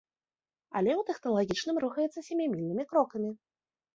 Але ў тэхналагічным рухаецца сямімільнымі крокамі.